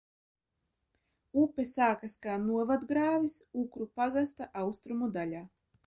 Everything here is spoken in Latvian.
Upe sākas kā novadgrāvis Ukru pagasta austrumu daļā.